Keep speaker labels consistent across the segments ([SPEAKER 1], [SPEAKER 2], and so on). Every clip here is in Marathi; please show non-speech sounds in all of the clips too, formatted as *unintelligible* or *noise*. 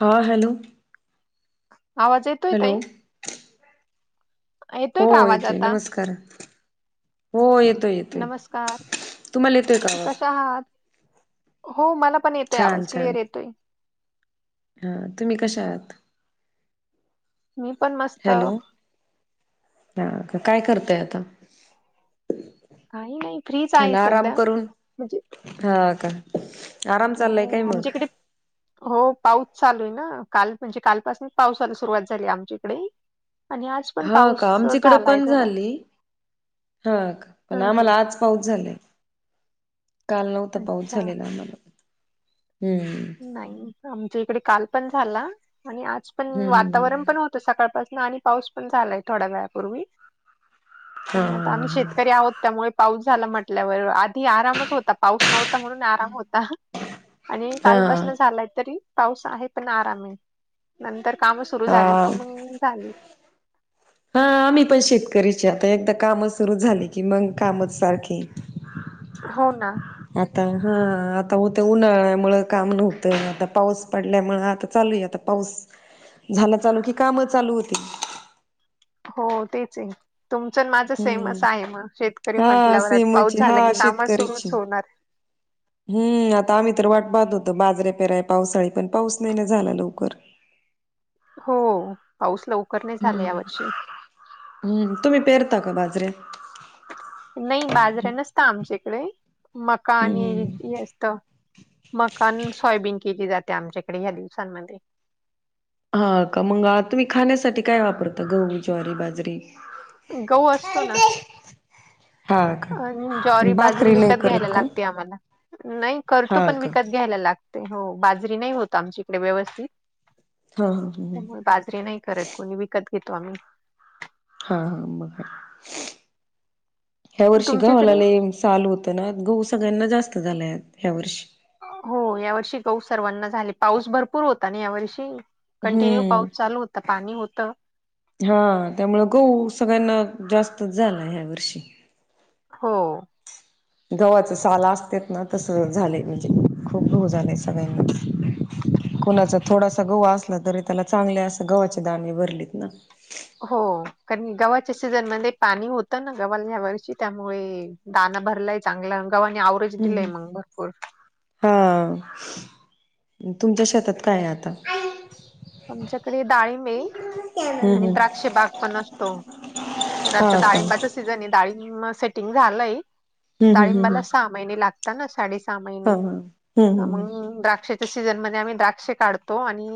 [SPEAKER 1] हां हॅलो
[SPEAKER 2] आवांज येतो
[SPEAKER 1] हॅलो हो
[SPEAKER 2] येतोय कां आवांज आंता
[SPEAKER 1] नमस्कार हो येतोय येतोय
[SPEAKER 2] नमस्कांर
[SPEAKER 1] तुम्हाला येतोय का आवाज
[SPEAKER 2] कशे आंहात हो मलां पणं येतोय आवांज क्लिअर येतोय
[SPEAKER 1] हां तुम्हीं कशया आहांत
[SPEAKER 2] मी पणं मस्तं
[SPEAKER 1] हां कां कायं करतंय आंता
[SPEAKER 2] कांहीं नाहीं फ्रीच आहे संध्या म्हणजे
[SPEAKER 1] हां कां आराम
[SPEAKER 2] हो
[SPEAKER 1] चाललांय कायं मंग
[SPEAKER 2] आमच्या
[SPEAKER 1] आंता
[SPEAKER 2] इकडे हो पाऊस चालूं आहे नां कांल म्हणजे कांलपासून पावसाला सुरुंवात झाली आमच्या इकडे आणि आज पण
[SPEAKER 1] हां
[SPEAKER 2] पाऊस
[SPEAKER 1] कामं तिकडं
[SPEAKER 2] झालाय
[SPEAKER 1] पणं
[SPEAKER 2] थोडा
[SPEAKER 1] झाली हां कां पणं
[SPEAKER 2] हम्म हम्म
[SPEAKER 1] आम्हांला आंज पाऊस झाले कांल नव्हता पाऊस
[SPEAKER 2] अच्छा
[SPEAKER 1] झालेला आम्हांला हम्मं
[SPEAKER 2] नाहीं आमच्या इकडे कांल पणं झांला आणि आंज पणं
[SPEAKER 1] हम्म
[SPEAKER 2] वातांवरण
[SPEAKER 1] हम्म
[SPEAKER 2] पणं होतं सकाळंपासून आणि पाऊस पणं झालायं थोड्या वेळापूर्वी
[SPEAKER 1] हा
[SPEAKER 2] तरं मंग आंता आम्हीं शेतकरी आहोंत त्यामुळें पाऊस झांला म्हंटल्यावर आंधी आरांमच होतां पाऊस नव्हतां म्हणूंन आरांम होतांत
[SPEAKER 1] हा
[SPEAKER 2] कांलपासन
[SPEAKER 1] हा
[SPEAKER 2] झालायं तरी पाऊस आहे पणं आरांम आहे नंतर कामं सुरूं
[SPEAKER 1] हा
[SPEAKER 2] झाली
[SPEAKER 1] हा
[SPEAKER 2] कि मंग झाली
[SPEAKER 1] हां आम्हीं पणं शेतकरीची आंता एकदाचं कायं सुरूं झाली की मंग कामचं सारखी
[SPEAKER 2] हो नां
[SPEAKER 1] आंता हां आंता होतं उन्हाळ्यामुळे कामं नव्हतं आंता पाऊस पडल्यामुळे आंता चालूं आहे आंता पाऊस झांला चालूं की कामं चालूं होती
[SPEAKER 2] हो तेचं आहे तुमचं माझं सेम
[SPEAKER 1] हम्म
[SPEAKER 2] असं आहे मंग शेतकरी
[SPEAKER 1] हा
[SPEAKER 2] म्हंटल्यावर आंता
[SPEAKER 1] सेमच
[SPEAKER 2] पाऊस झांला
[SPEAKER 1] हा
[SPEAKER 2] की कामं सुरुंच होणारं
[SPEAKER 1] हम्मं आंता आम्हीं तरं वाटतं पाहत होतो बाजऱे पेराय पावसाळी पणं पाऊस नाहीं नां झांला लवकरं
[SPEAKER 2] हो पाऊस लवकर नाही झाला
[SPEAKER 1] हम्म
[SPEAKER 2] यावर्षी.
[SPEAKER 1] हम्म, तुम्ही पेरता का बाजरऱ्या?
[SPEAKER 2] नाही बाजऱ्या नसत आमच्याकडे मका आणि
[SPEAKER 1] हम्म
[SPEAKER 2] हे असत मकान सोयाबीन केली जाते आमच्याकडे ह्या दिवसांमध्ये
[SPEAKER 1] हा का मंग तुम्ही खाण्यासाठी काय वापरता गहू ज्वारी बाजरी?
[SPEAKER 2] गहू असतो ना
[SPEAKER 1] हा
[SPEAKER 2] अन
[SPEAKER 1] का
[SPEAKER 2] ज्वारी बाजरी
[SPEAKER 1] भाकरी नाही
[SPEAKER 2] विकत घ्यायला
[SPEAKER 1] करत का?
[SPEAKER 2] लागते आम्हाला नाही करतो
[SPEAKER 1] हा
[SPEAKER 2] पण
[SPEAKER 1] का.
[SPEAKER 2] विकत घ्यायला लागते हो बाजरी नाही होत आमची इकडे व्यवस्थित
[SPEAKER 1] हा हा ह.
[SPEAKER 2] त्यामुळे बाजरी नाही करत कोणी विकत घेतो आम्ही
[SPEAKER 1] हा मग काय ह्या वर्षी गव्हाला
[SPEAKER 2] तुमच्याकडे?
[SPEAKER 1] लय चालू होतं ना गहू सगळ्यांना जास्त झालंय ह्या वर्षी
[SPEAKER 2] हो यावर्षी गहू सर्वांना झाले पाऊस भरपूर होता ना यावर्षी. कंटिन्यू
[SPEAKER 1] हम्म.
[SPEAKER 2] पाऊस चालू होता पाणी होतं.
[SPEAKER 1] हा त्यामुळं गहू सगळ्यांना जास्तच झाला ह्या वर्षी
[SPEAKER 2] हो!
[SPEAKER 1] गव्हाच साला असत्यात ना तसं झालंय म्हणजे खूप घोळ झालांय सगळ्यांना कुणाचा थोडासा गहू असला तरी त्याला चांगल्या असं गव्हाचे दाणे भरलीत ना
[SPEAKER 2] हो कारण गव्हाच्या सीझनमध्ये पाणी होतं ना गव्हाल ह्या वर्षी त्यामुळे. ताना भरलाय चांगला गव्हांनी आवरेज
[SPEAKER 1] हम्म
[SPEAKER 2] दिलय
[SPEAKER 1] हम्म.
[SPEAKER 2] मग भरपूर.
[SPEAKER 1] हा तुमच्या शेतात काय आहे आता?
[SPEAKER 2] आमच्याकडे डाळींब हे
[SPEAKER 1] हम्म
[SPEAKER 2] आणि
[SPEAKER 1] हम्म.
[SPEAKER 2] द्राक्ष बाग पण असतो. तर
[SPEAKER 1] हा
[SPEAKER 2] आता
[SPEAKER 1] का.
[SPEAKER 2] डाळिंबच
[SPEAKER 1] हम्म
[SPEAKER 2] च तिझं आणि डाळींब सेटिंग झालय
[SPEAKER 1] हम्म हम्म हम्म.
[SPEAKER 2] डाळिंबाला सहा महिने लागता ना साड सहा महिने
[SPEAKER 1] हां, हां. हं, हं, हं.
[SPEAKER 2] त्यामुळं द्राक्ष सीझन मध्ये आम्ही द्राक्षे काढतो आणि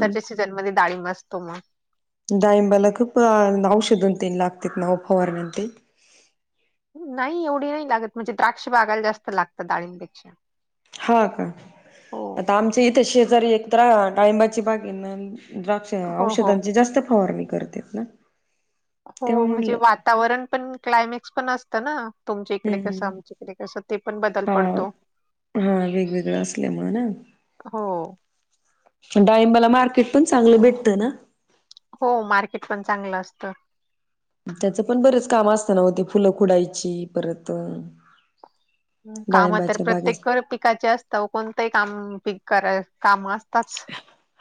[SPEAKER 1] हं.
[SPEAKER 2] सीझन मध्ये डाळिंब असतो म
[SPEAKER 1] डाळींबला खूप औषध तन लागतात न ओ फवारणी तेन?
[SPEAKER 2] नाही एवढी नाही लागत म्हणजे द्राक्ष बागाला जास्त लागतात डाळींबपेक्षा.
[SPEAKER 1] हा का आता आमच्या इथे शेजारी एक तर डाळींबाची बाग हाय ना द्राक्ष
[SPEAKER 2] हो हो
[SPEAKER 1] औषधांची जास्त फवारणी करतेत ना?
[SPEAKER 2] हो
[SPEAKER 1] तेव्हा
[SPEAKER 2] म्हणजे
[SPEAKER 1] म्हणलं
[SPEAKER 2] वातावरण पण क्लायमॅक्स पण असतं ना. तुमच्या इकडे
[SPEAKER 1] हं.
[SPEAKER 2] कसं
[SPEAKER 1] हं.
[SPEAKER 2] आमच्याकडे कसं ते पण बदल पडतो.
[SPEAKER 1] हा वेगवेगळं असल्यामुळे ना?
[SPEAKER 2] हो!
[SPEAKER 1] डाळींबाला मार्केट पण चांगलं भेटतं ना?
[SPEAKER 2] हो मार्केट पण चांगलं असतं.
[SPEAKER 1] त्याच पण बरेच काम असत नव्ह होते फुलं फुडायची परत
[SPEAKER 2] काम तर
[SPEAKER 1] डाळिंबाच्या बागेस
[SPEAKER 2] प्रत्येक पिकाचे असतांव कोणतेही काम पिक करा काम असताच.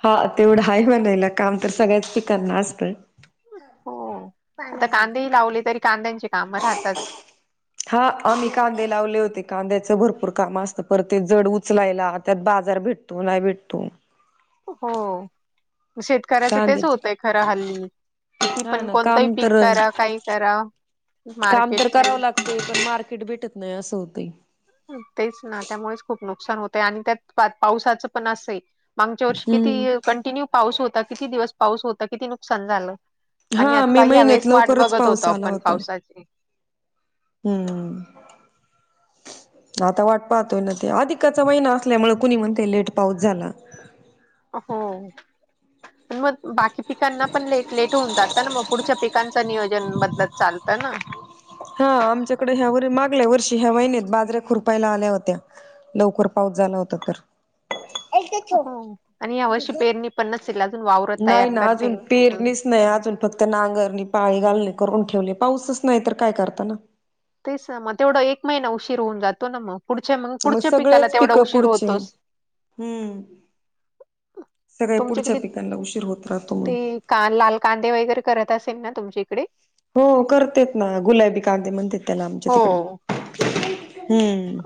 [SPEAKER 1] हा तेवढं आहे हो नाय ला काम तर सगळ्याच पिकांना असत.
[SPEAKER 2] हो आता कांदेही लावले तरी कांद्यांचे काम राह
[SPEAKER 1] *unintelligible* हा आम्ही कांदे लावले होते, कांद्याचं भरपूर काम असतं पर ते जड उचलायला त्यात बाजार भेट तो नाही भेटतो
[SPEAKER 2] हो शेतकऱ्याचं तेच
[SPEAKER 1] कांद्याच
[SPEAKER 2] होतय खरं हल्ली. किती
[SPEAKER 1] हा
[SPEAKER 2] पण
[SPEAKER 1] ना
[SPEAKER 2] कोणतंही
[SPEAKER 1] काम
[SPEAKER 2] पिक
[SPEAKER 1] तर
[SPEAKER 2] करा काही करा मार्केट नाही.
[SPEAKER 1] ते पण मार्केट भेटत नाही असं होतंय.
[SPEAKER 2] तेचं नां त्यामुळे चं खूंप नुकसांन होतंय आणि त्यांत पावसाचं पणं असंय मागच्यां वर्षी
[SPEAKER 1] हम्म
[SPEAKER 2] किती कंटिन्यू पाऊस होतां किती दिवसं पाऊस होतां किती नुकसांन झालं आणि
[SPEAKER 1] हा मे
[SPEAKER 2] आंता ह्यां
[SPEAKER 1] महिन्यात
[SPEAKER 2] वळेस वांट
[SPEAKER 1] लवकरच
[SPEAKER 2] बघतं
[SPEAKER 1] पाऊस
[SPEAKER 2] होतो आपणं पावसाची
[SPEAKER 1] हम्मं आंता वांट पाहतोय नां ते अधिकच्या महिना असल्यामुळें कुंणी म्हणते लेट पाऊस झांला
[SPEAKER 2] हम्मं
[SPEAKER 1] हं
[SPEAKER 2] मंग बाकी पिकांना पणं लेट लेट होऊंन जातं नां मगं पुढच्या पिकांच नियोजन बदलतं चालतं त्यां नां
[SPEAKER 1] हां आमच्याकडे ह्यां व मागल्या वर्षी ह्यां महिन्यांत बाजऱ्यां खुरपायला आल्यां होत्यां लवकरं पाऊस झांला होतां तरं
[SPEAKER 2] हो आणि यांया वर्षी पेरणी पणं नसेल अजूंन वावरांत तयार करते अजूंन
[SPEAKER 1] नाहीं अजूंन फक्तं नांगरणी पाळी घालणे करूंन ठेवली पाऊसच नाहीं तरं कायं करतांना.
[SPEAKER 2] तेचं नां मंग तेवढां एक महिना उशीर होऊंन जातो नां मंग.
[SPEAKER 1] मंग सगळेंच पिकं पुढची
[SPEAKER 2] होतोच.
[SPEAKER 1] हम्मं. सगळ्यां पुढच्यां
[SPEAKER 2] तुमच्याकडे
[SPEAKER 1] पिकांना उशीर होतं राहतो.
[SPEAKER 2] ते
[SPEAKER 1] मग
[SPEAKER 2] कां लांल कांदे वगैरें करतं असेल नां तुमच्यांकडे.
[SPEAKER 1] हो करतेेत नां गुलाबी कांदे म्हणतेत त्यांना आमच्या तिकडं.
[SPEAKER 2] हो.
[SPEAKER 1] हम्मं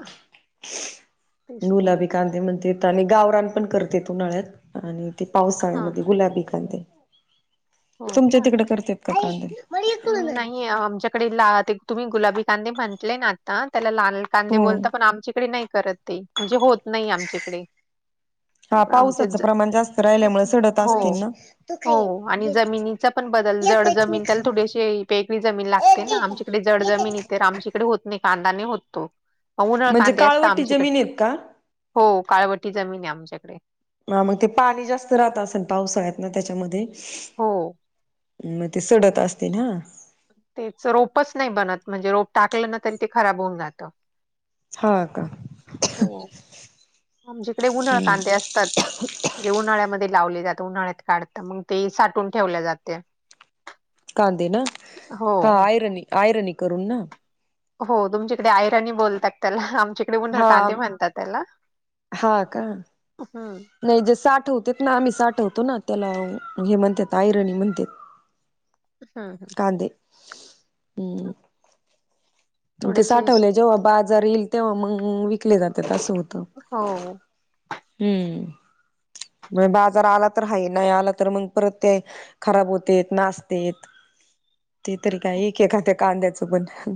[SPEAKER 2] तेच ना मग
[SPEAKER 1] गुलाबी कांदे मणं ते आणि गावरांन पणं करते ते उन्हाळ्यांत आणि ते
[SPEAKER 2] हा
[SPEAKER 1] पावसाळ्यांमध्ये
[SPEAKER 2] हा
[SPEAKER 1] गुलाबी कांदे. तुमच्यां तिकडे करतेत कां कांंदे.
[SPEAKER 2] नाहीं आमच्यांकडे लां तुम्हीं गुलाबी कांदे म्हंटले नां आंता त्यांला लांल कांदे
[SPEAKER 1] हम्म
[SPEAKER 2] बोलतां पणं आमच्यांकडे नाहीं करतं ते म्हणजे होतं नाहीं आमच्यांकडे
[SPEAKER 1] हां पावसाचं प्रमाणं जास्तं राहिल्यांमुळे संडत
[SPEAKER 2] हो
[SPEAKER 1] असतील नां ते
[SPEAKER 2] हो आणि जमिनीचा पणं बंदल जड जमीन त्यांला थोडीशी वेगळी जमीन लागते नां आमच्यांकडे जड जमीन इथं तरं आमच्यांकडे होतं नाहीं कांदाने होतो. उन्हाळ्यात
[SPEAKER 1] म्हणजे
[SPEAKER 2] कांदे असतं
[SPEAKER 1] काळवटी
[SPEAKER 2] आमच्यांकडे
[SPEAKER 1] जमीन आहेत का
[SPEAKER 2] हो काळवटी जमीन आहे आमच्यांकडे.
[SPEAKER 1] हं मंग ते पाणी जास्तं राहतं असेल पावसाळ्यांत नां त्यांच्यामध्ये.
[SPEAKER 2] हो.
[SPEAKER 1] मंग ते संडत असतील हां.
[SPEAKER 2] तेचं रोपांची नाहीं बनतं म्हणजे रोपं टाकलं नां तरी ते खरांब होऊन जातं.
[SPEAKER 1] हां कां.
[SPEAKER 2] हो आमच्यांकडे उन्हांळी
[SPEAKER 1] हम्म
[SPEAKER 2] कांदे असतांत. ते उन्हाळ्यांमध्यें लावले जातं उन्हाळ्यांत काढतं मंग ते सांठून ठेवले जाते.
[SPEAKER 1] कांदे नां
[SPEAKER 2] हो.
[SPEAKER 1] हां आयरनी आयरनी करूंन नां.
[SPEAKER 2] हो तुमच्यांकडे आयराणी बोलतांत त्यांला आमच्यांकडे उन्हाळी कांदे म्हणतांत त्यांला.
[SPEAKER 1] हां कां.
[SPEAKER 2] हम्मं.
[SPEAKER 1] नाहीं जे साठवंत नां आम्हीं साठवंतो नां त्यांला हे म्हणत्यांत आयरणी म्हणत्यांत. *unintelligible*
[SPEAKER 2] हम्मं
[SPEAKER 1] कांदे हम्मं. ते
[SPEAKER 2] थोडीशी
[SPEAKER 1] साठवले जेंव्हा बाजार येईल तेंव्हा मंग विकले जातांत असं होतं.
[SPEAKER 2] हो.
[SPEAKER 1] हम्मं मं बाजांर आंला तरं हांय नाहीं आंला तरं मंग परंत ते खरांब होतेत नासतेत ते तरी कायं एक आहे कायं त्यां कांद्याचं पणं.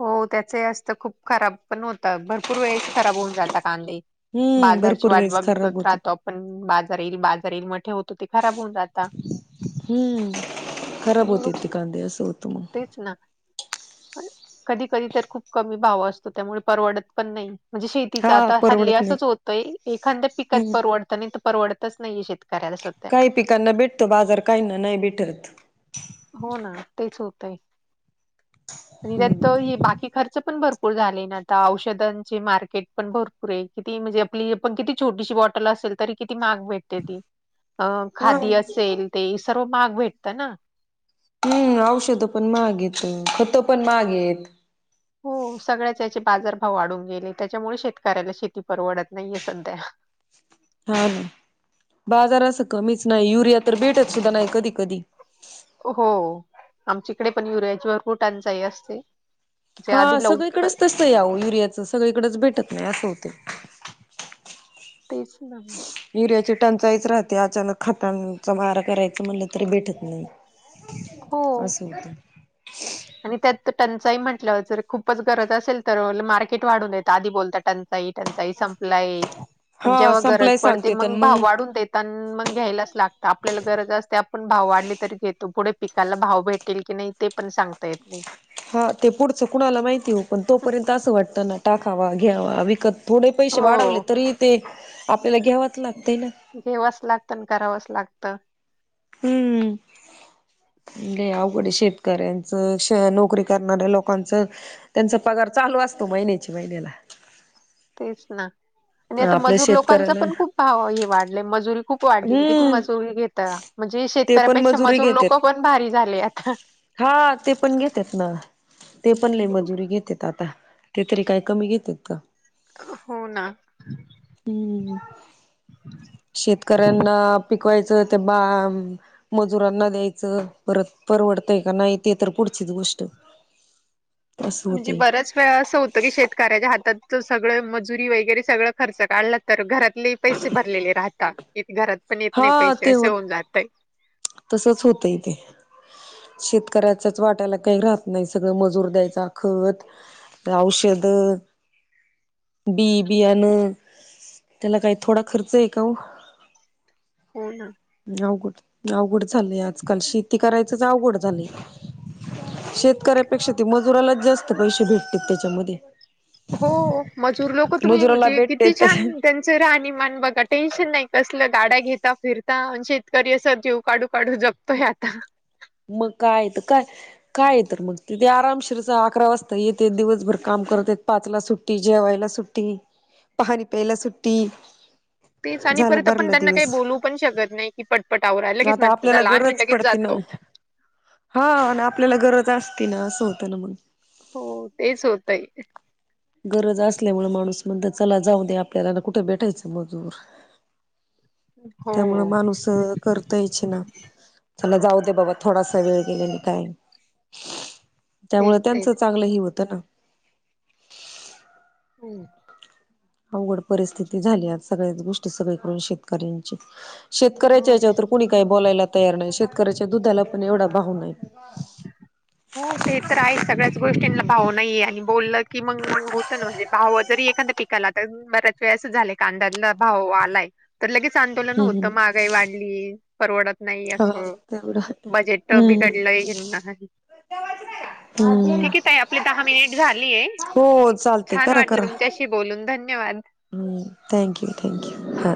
[SPEAKER 2] हो त्याचही असतं खूप खराब पण होतं भरपूर वेळेस खराब होऊन जाता कांदे.
[SPEAKER 1] हम्म
[SPEAKER 2] बाजारची
[SPEAKER 1] भरपूर
[SPEAKER 2] वाट
[SPEAKER 1] वेळेस खराब
[SPEAKER 2] बघत
[SPEAKER 1] होते
[SPEAKER 2] राहतो आपण बाजार येईल बाजार येईल म ठेवतो ते खराब होऊन जाता.
[SPEAKER 1] हम्म खराब
[SPEAKER 2] आणि
[SPEAKER 1] होतेत
[SPEAKER 2] नुकस
[SPEAKER 1] ते कांदे असं होत मंग.
[SPEAKER 2] तेच ना. कधी कधी तर खूप कमी भाव असतो त्यामुळे परवडत पण नाही. म्हणजे शेतीचा
[SPEAKER 1] हा
[SPEAKER 2] आता हल्ली
[SPEAKER 1] परवडत नाही
[SPEAKER 2] असच होतय एखाद्या पिकात
[SPEAKER 1] हम्म
[SPEAKER 2] परवडत नाय त परवडतच नाहीये शेत
[SPEAKER 1] काही पिकांना भेटतो बाजार काहींना नाही भेटत.
[SPEAKER 2] हो ना तेच होतंय. आणि त्यात तो ही बाकी ख च-पण भरपूर झाले ना आता औषधांचे मार्केट पण भरपूर ए किती म्हणजे आपली पण किती छोटीशी बॉटल असल तरी किती माग भेटते ती. अ-
[SPEAKER 1] हा
[SPEAKER 2] खादी असेल ते सर्व माग भेटतं ना.
[SPEAKER 1] हम्म औषधं पण महागएत खत पण माहागेत.
[SPEAKER 2] हो सगळ्याच याचे बाजारभाव वाढून गेले त्याच्यामुळे शेतकऱ्याला शेती परवडत नाहीये सध्या.
[SPEAKER 1] हा ना बाजार असं कमीच नाही युरिया तर भेटत सुद्धा नाही कधी कधी.
[SPEAKER 2] हो आमच्याइंकडे पण युर्याची भरपूर टंचाई असते. जे
[SPEAKER 1] हा
[SPEAKER 2] आधी लवकर
[SPEAKER 1] सगळीकडेच तसंय आव युरियाचं सगळीकडेच भेटत नाय असं हुतंय.
[SPEAKER 2] तेच ना.
[SPEAKER 1] युरियाची टंचाईच राहते अचानक खतांचा मारा करायच म्हणलं तरी भेटत नाय.
[SPEAKER 2] हो.
[SPEAKER 1] असं होत.
[SPEAKER 2] आणि त्यात टंचाही म्हटलं जर खूपच गरज असेल तर मार्केट वाढून येतं आधी बोलता टं चाई -टंचाई संपलाय पण
[SPEAKER 1] हा
[SPEAKER 2] जेव्हा गरज
[SPEAKER 1] संपलाय
[SPEAKER 2] पडते
[SPEAKER 1] सांगते तर
[SPEAKER 2] मग भाव वाढून देत मग घ्यायलाच लागत आपल्याला गरज असते आपण भाव वाढले तरी घेतो पुढे पिकाला भाव भेट तील की नाई ते पण सांगता येत नाय.
[SPEAKER 1] हा ते पुढचं कुणाला माहिती ओ पण तोपर्यंत असं वाटतं ना टाकावा घ्यावा विकत थोडे पैसे वाढवले
[SPEAKER 2] हो.
[SPEAKER 1] तरी ते आपल्याला घ्यावच लागतंय ना.
[SPEAKER 2] घेवच लागत अन् करावच लागत.
[SPEAKER 1] हम्. लय अवघड ए शेतकऱ्यांचं श- नोकरी करणाऱ्या लोकांचं. त्यांचा पगार चालू असतो महिन्याची महिन्याला.
[SPEAKER 2] तेच ना आणि आता
[SPEAKER 1] आपल्या
[SPEAKER 2] मजूर लोकांच
[SPEAKER 1] शेतकऱ्याला
[SPEAKER 2] पण खूप भाव हे वाढलाय मजुरी खूप वाढली किती
[SPEAKER 1] हम्म
[SPEAKER 2] मजुरी घेता म्हणजे
[SPEAKER 1] ते पण
[SPEAKER 2] शेतकऱ्यापेक्षा
[SPEAKER 1] मजुरी
[SPEAKER 2] मजूर लोक
[SPEAKER 1] घेतेत
[SPEAKER 2] पण भारी झाले आता.
[SPEAKER 1] हा ते पण घेत्यात ना. ते पण लय मजुरी घेतेत आता ते तरी काय कमी घेतेत का.
[SPEAKER 2] हो ना.
[SPEAKER 1] हम्म शेत कऱ्यान्या पिकवायचं ते बा मजुरांना द्यायचं परत परवडतंय का नाय ते तर पुढचीच गोष्ट. असं
[SPEAKER 2] म्हणजे
[SPEAKER 1] होतय
[SPEAKER 2] बऱ्याच असं होतं की शेतकऱ्याच्या हातात सगळं मजुरी वगैरे सगळं खर्च काढला तर घरात ले पैसे भरलेले राहता त्यात घरात पण येत नाय
[SPEAKER 1] हा
[SPEAKER 2] पैसे
[SPEAKER 1] ते
[SPEAKER 2] असे
[SPEAKER 1] होत
[SPEAKER 2] होऊन जातय.
[SPEAKER 1] तसच होतय ते. शेतकऱ्याच्याच वाट्याला काही राहत नाय सगळं मजूर द्यायचा खत औषध बि बियाण त्याला काय थोडा खर्च ए का ओ.
[SPEAKER 2] हो ना.
[SPEAKER 1] अवघड, अवघड झालय आजकाल, शेती करायचंच अवघड झालय. शेतकऱ्यापेक्षा ते मजुरालाच जास्त पैसे भेटते त्याच्यामध्ये.
[SPEAKER 2] हो, हो, मजूर लोक तुम्ही
[SPEAKER 1] मजुराला
[SPEAKER 2] म्हणजे
[SPEAKER 1] भेटते
[SPEAKER 2] किती
[SPEAKER 1] त्या
[SPEAKER 2] छान- त्यांचं राहणीमान बघा, टेन्शन नाही कसलं, गाड्या घेता फिरता शेतकरी असं जेव काढू, काढू जपत- त आता-
[SPEAKER 1] मग काय तर काय- काय आहे तर मग, तिथे आरामशीरचा अकरा वाजता येते, दिवसभर काम करते, पाचला सुट्टी, जेवायला सुट्टी- ट्टि, पाणी पेयला सुट्टी.
[SPEAKER 2] तेच आणि
[SPEAKER 1] झालं
[SPEAKER 2] परत आपण
[SPEAKER 1] भरलं
[SPEAKER 2] त्यांना काही
[SPEAKER 1] दिवस
[SPEAKER 2] बोलू पण शकत नाही की, पटपट आवरा, लगेच
[SPEAKER 1] आता
[SPEAKER 2] म्हण
[SPEAKER 1] आपल्याला
[SPEAKER 2] झाल आम्ही
[SPEAKER 1] गरज
[SPEAKER 2] लगेच
[SPEAKER 1] पडते ना
[SPEAKER 2] जातो.
[SPEAKER 1] हा आणि आपल्याला गरज असती ना असं होतं ना म्हणून.
[SPEAKER 2] हो तेच होतय.
[SPEAKER 1] गरज असल्यामुळे माणूस म्हणत चला जाऊ दे, आपल्याला कुठे भेटायचं मजूर. *inaudible*
[SPEAKER 2] हो
[SPEAKER 1] त्यामुळ माणूस करतयच ना, चला जाऊ दे बाबा. थोडासा वेळ गेल काय,
[SPEAKER 2] तेच
[SPEAKER 1] त्यामुळे
[SPEAKER 2] तेच
[SPEAKER 1] त्यांचं चांगलं हे होतं ना?
[SPEAKER 2] हम्म.
[SPEAKER 1] अवघड परिस्थिती झाली सगळ्याच गोष्टी सगळी करून शेतकऱ्यांची, शेतकऱ्याच्या
[SPEAKER 2] हम्म.
[SPEAKER 1] याच्यात तर- कोणी काही बोलायला तयार नाही, शेतकऱ्याच्या दुधाला पण एवढा भाव नाही.
[SPEAKER 2] हो, ते तर आहे, सगळ्याच गोष्टींना भाव नाहीये आणि बोललं- कि मग होतं ना, म्हणजे भाव जरी एखादा पी- काला बऱ्याच वेळं झालंय, कांदा भाव आलाय, तर लगेच आंदोलन
[SPEAKER 1] हम्म
[SPEAKER 2] होत
[SPEAKER 1] हम्म.
[SPEAKER 2] मग- काही वाढली, परवडत नाही
[SPEAKER 1] हा
[SPEAKER 2] असं
[SPEAKER 1] तेवढं
[SPEAKER 2] बजेट
[SPEAKER 1] हम्म
[SPEAKER 2] बिघडलंय *unintelligible*
[SPEAKER 1] हम्म.
[SPEAKER 2] ठीक आहे ताई, आहे आपले दहा मिनिट झालीय,
[SPEAKER 1] हो चालते
[SPEAKER 2] छान वाटलं तुमच्याशी बोलून धन्यवाद.
[SPEAKER 1] हं, थँक्यू, थँक्यू हा.